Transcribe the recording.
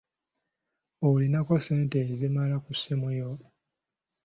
Olinako ssente ezimala ku ssimu yo?